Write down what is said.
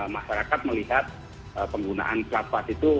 masyarakat melihat penggunaan plat plat itu